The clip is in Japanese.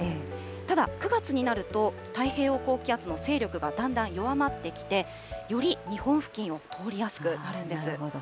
ただ、９月になると、太平洋高気圧の勢力がだんだん弱まってきて、より日本付近を通りやすくなるんです。